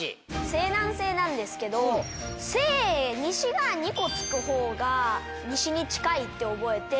西南西なんですけど西が２個付くほうが西に近いって覚えて。